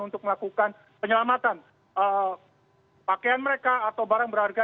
untuk melakukan penyelamatan pakaian mereka atau barang berharga